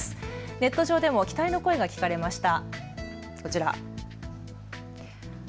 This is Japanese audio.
ネット上でも期待の声が聞かれました。